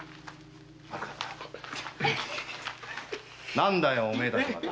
何だよおめえたちまで。